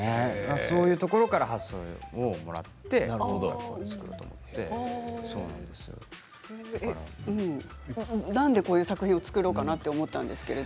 そういうところから発想をもらってなんでこういう作品を作ろうかなと思ったんですか？